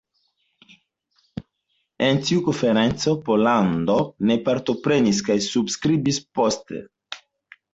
En tiu konferenco, Pollando ne partoprenis kaj subskribis poste.